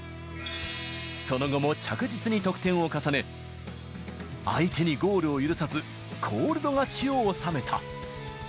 その後も着実に得点を重ね、相手にゴールを許さず、コールド勝ちを収めた。